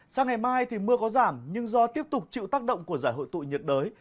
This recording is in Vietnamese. sang ngày mai thì mưa có giảm nhưng do tiếp tục chịu tác động của giải hội tụ nhiệt đới